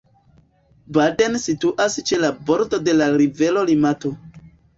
Baden situas ĉe la bordo de la rivero Limato.